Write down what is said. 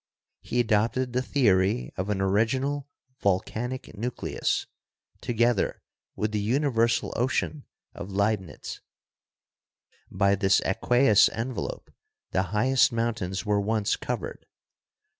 He adopted the theory of an original volcanic nucleus, together with the universal ocean of Leibnitz. By this aqueous envelope the highest mountains were once covered.